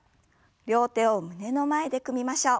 両手を胸の前で組みましょう。